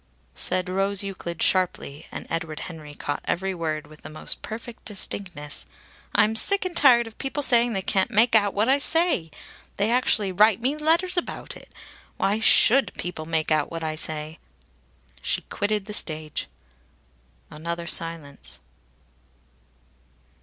Said Rose Euclid sharply, and Edward Henry caught every word with the most perfect distinctness: "I'm sick and tired of people saying they can't make out what I say! They actually write me letters about it! Why should people make out what I say?" She quitted the stage. Another silence....